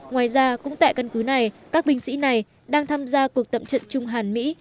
ngoài ra cũng tại căn cứ này các binh sĩ này đang tham gia cuộc tập trận chung hàn mỹ